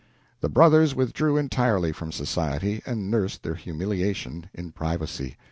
The brothers withdrew entirely from society, and nursed their humiliation in privacy.